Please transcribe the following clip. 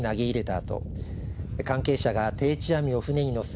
あと関係者が定置網を船に載せ